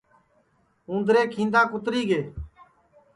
اُندرے کھیندا کُتری گے